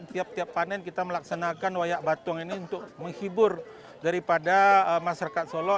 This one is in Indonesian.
tiap tiap panen kita melaksanakan wayak batung ini untuk menghibur daripada masyarakat solo